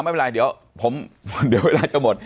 ไม่เป็นไรเดี๋ยวเวลาจะหมด